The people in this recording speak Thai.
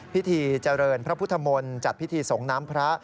พิธีเจริญพระพุทธมนตร์จัดพิธีส่งน้ำพระ